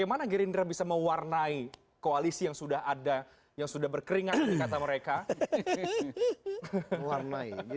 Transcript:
mana gerindra bisa mewarnai koalisi yang sudah ada yang sudah berkeringat kata mereka warnai